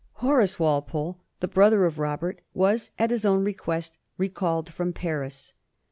Horace Walpole, the brother of Robert, was at his own request recalled firom Paris.